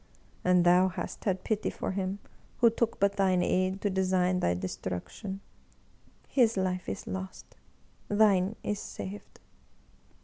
And thou hast had pity for him who took but thine aid to design thy destruction. His life is lost, thine is saved